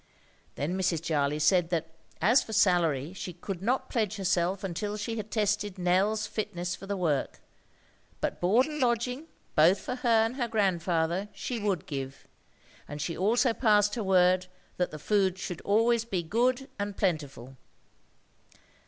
Then Mrs. Jarley said that as for salary she could not pledge herself until she had tested Nell's fitness for the work. But board and lodging, both for her and her grandfather, she would give; and she also passed her word that the food should be always good and plentiful.